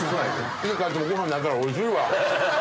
家帰ってもごはんないからおいしいわ。